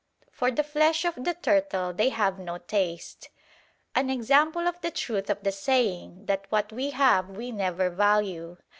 For the flesh of the turtle they have no taste; an example of the truth of the saying that what we have we never value.